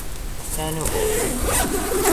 Sɛan ugur.